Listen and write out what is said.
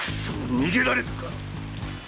逃げられたか。